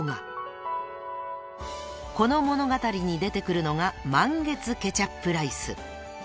［この物語に出てくるのが満月ケチャップライス］